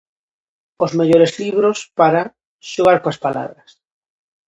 Os mellores libros para... xogar coas palabras!